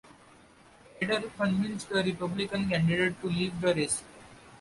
Eder convinced the Republican candidate to leave the race.